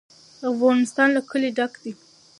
افغانستان له کلي ډک دی.